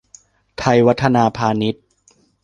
ไทยวัฒนาพานิช